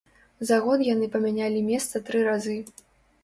За год яны памянялі месца тры разы.